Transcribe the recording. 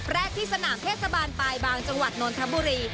สเต็ปแรกที่สนามเทศบาลใบบานจังหวัดนวลธับบุรี